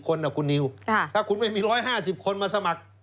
คนนะคุณนิวถ้าคุณไม่มี๑๕๐คนมาสมัคร